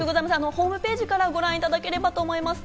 ホームページからご覧いただければと思います。